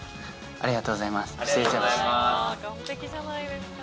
ありがとうございます。